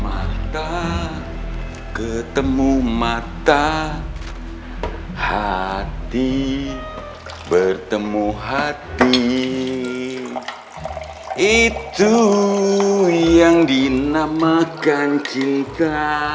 asam firaul bu nisa